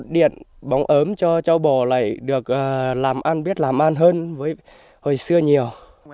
điện bóng ớm cho châu bò lại được làm ăn biết làm ăn hơn với hồi xưa nhiều